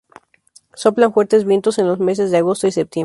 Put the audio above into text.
Soplan fuertes vientos en los meses de agosto y septiembre.